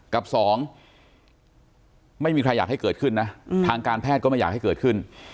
กับสองไม่มีใครอยากให้เกิดขึ้นนะทางการแพทย์ก็ไม่อยากให้เกิดขึ้น